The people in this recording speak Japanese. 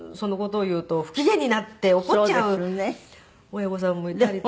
親御さんもいたりとか。